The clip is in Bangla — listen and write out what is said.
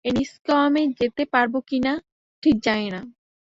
এনিষ্কোয়ামে যেতে পারব কিনা, ঠিক জানি না।